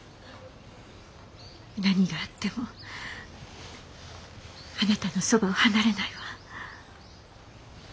何があってもあなたのそばを離れないわ。